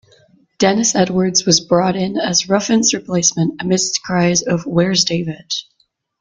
Dennis Edwards was brought in as Ruffin's replacement, amidst cries of Where's David?